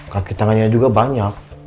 kaki tangannya juga banyak